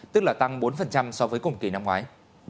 tức là tăng bốn so với cùng kỳ năm ngoái